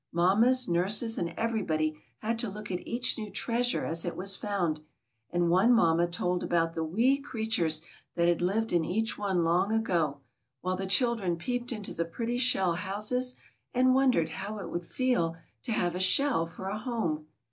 Mam mas, nurses, and everybody had to look at each new treasure as it was found; and one mamma told about the wee creatures that had lived in each one long ago, while the children peeped into the pretty shell houses, and won dered how it would feel to have a shell for a home.